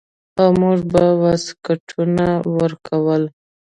او موږ به واسکټونه ورکول.